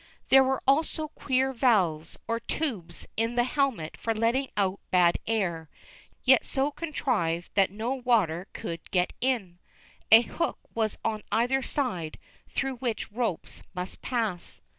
There were also queer valves, or tubes, in the helmet for letting out bad air, yet so contrived that no water could get in. A hook was on either side, through which ropes must pass.